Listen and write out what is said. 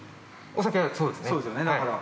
お酒はそうですね。